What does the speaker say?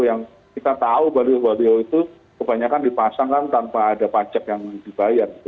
yang kita tahu balihu balihu itu kebanyakan dipasangkan tanpa ada pajak yang dibayar